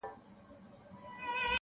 سل توپکه به په یو کتاب سودا کړو-